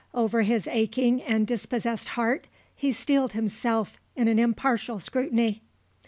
Over his aching and dispossessed heart he steeled himself in an impartial scrutiny.